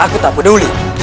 aku tak peduli